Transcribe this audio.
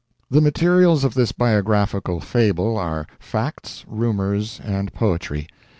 The materials of this biographical fable are facts, rumors, and poetry.